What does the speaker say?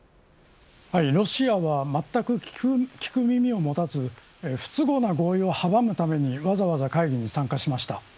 ロシアは全く聞く耳を持たず不都合な合意を阻むためにわざわざ会議に参加しました。